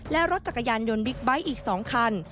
และรถจักรยานยนต์บิ๊กไบท์อีก๒คัน